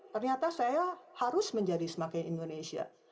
ternyata saya harus menjadi semakin indonesia